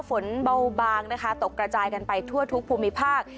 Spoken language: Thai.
ฝนเบาบางนะคะตกกระจายกันไปทั่วทุกภูมิภาค